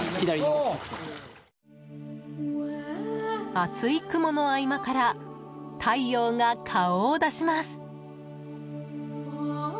厚い雲の合間から太陽が顔を出します。